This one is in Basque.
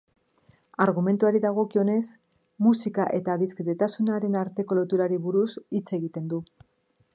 Argumentuari dagokionez, musika eta adiskidetasunaren arteko loturari buruz hitz egiten du.